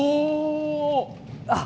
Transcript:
あ！